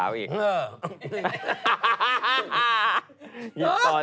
แล้วมีลูกสาวเลยเป็นตุ๊ดขึ้นทุกวัน